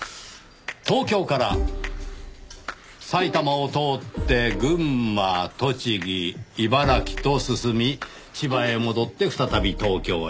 東京から埼玉を通って群馬栃木茨城と進み千葉へ戻って再び東京へ。